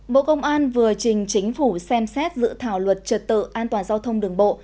bộ công an vừa trình chính phủ xem xét dự thảo luật trật tự an toàn giao thông đường bộ